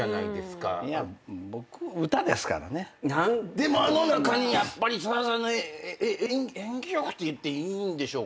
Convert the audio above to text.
でもあの中にやっぱりさださんの演技力って言っていいんでしょうか。